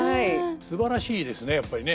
すばらしいですねやっぱりね。